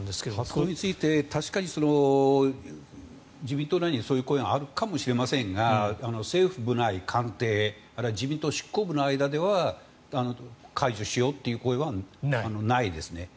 発動について確かに自民党内にはそういう声があるかもしれませんが政府部内、官邸あるいは自民党執行部の間では解除しようという声はないですよね。